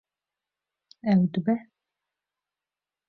Ew dibe.